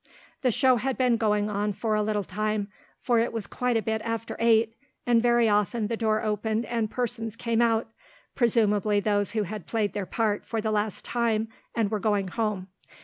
The show had been going on for a little time, for it was quite a bit after eight, and very often the door opened and persons came out presumably those who had played their part for the last time and were going home.